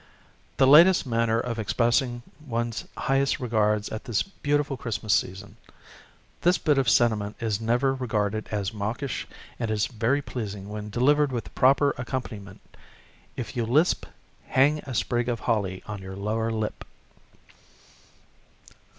The latest manner of expressing one's highest regards at this beautiful Christmas season. This bit of sentiment is never regarded as mawkish and is very pleasing when delivered with the proper accompaniment. If you lisp hang a sprig of holly on your lower lip.